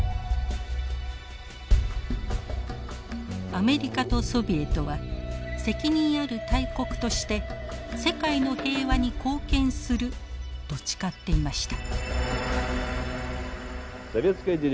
アメリカとソビエトは責任ある大国として世界の平和に貢献すると誓っていました。